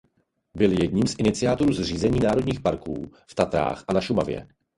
Byl jedním z iniciátorů zřízení národních parků v Tatrách a na Šumavě.